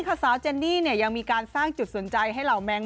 สาวเจนนี่เนี่ยยังมีการสร้างจุดสนใจให้เหล่าแมง